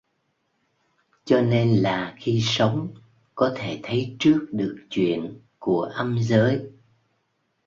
Cho nên là khi sống có thể thấy trước được chuyện của âm giới